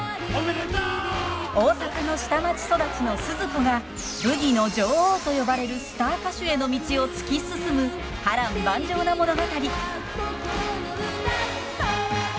大阪の下町育ちのスズ子がブギの女王と呼ばれるスター歌手への道を突き進む波乱万丈な物語。へいっ！